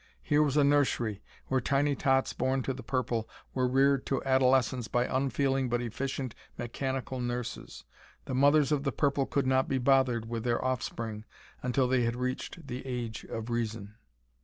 Here was a nursery, where tiny tots born to the purple were reared to adolescence by unfeeling but efficient mechanical nurses. The mothers of the purple could not be bothered with their offspring until they had reached the age of reason.